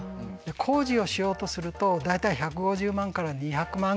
工事をしようとすると大体１５０万から２００万ぐらいですね。